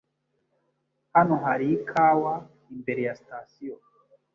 Hano hari ikawa imbere ya sitasiyo